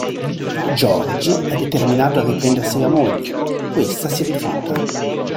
George è determinato a riprendersi la moglie, questa si rifiuta.